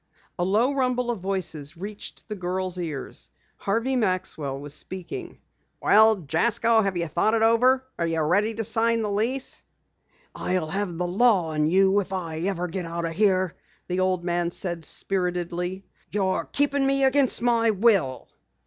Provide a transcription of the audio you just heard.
A low rumble of voices reached the girl's ears. Harvey Maxwell was speaking: "Well, Jasko, have you thought it over? Are you ready to sign the lease?" "I'll have the law on you, if I ever get out of here!" the old man said spiritedly. "You're keepin' me against my will."